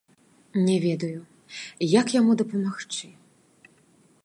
Не ведаю, як яму дапамагчы.